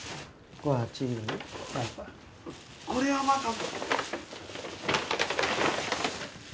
これはまた。